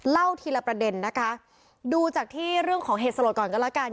เล่าทีละประเด็นนะคะดูจากที่เรื่องของเหตุสลดก่อนก็แล้วกัน